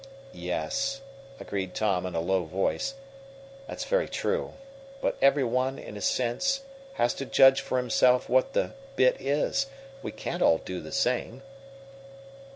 "Yes," agreed Tom, in a low voice, "that's very true. But every one, in a sense, has to judge for himself what the 'bit' is. We can't all do the same."